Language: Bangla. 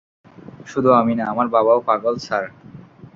শুধু আমি না, আমার বাবাও পাগল, স্যার।